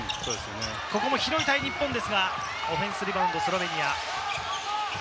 ここも拾いたい日本ですが、オフェンスリバウンド、スロベニア。